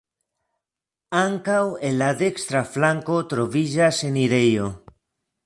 Ankaŭ en la dekstra flanko troviĝas enirejo.